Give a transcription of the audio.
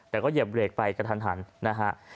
แต่ก็เหยียบเบรกไปกระทันนะฮะ